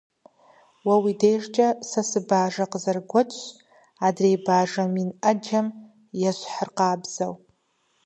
Уэ уи дежкӀэ сэ сыбажэ къызэрыгуэкӀщ, адрей бажэ мин Ӏэджэм ящхьыркъабзэу.